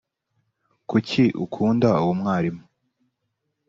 kuki ukunda uwo mwarimu‽